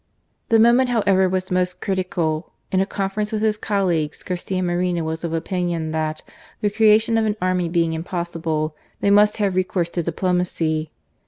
The moment however was most criticaL In a conference with his colleagues, Garcia Moreno was of opinion that, the creation of an army being impossible, they must have recourse to diplomac}'.